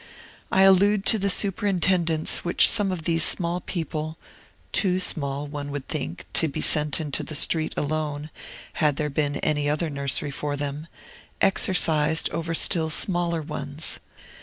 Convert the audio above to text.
I allude to the superintendence which some of these small people (too small, one would think, to be sent into the street alone, had there been any other nursery for them) exercised over still smaller ones.